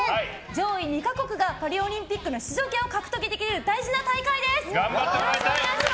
上位２か国がパリオリンピックの出場権を獲得できる頑張ってもらいたい！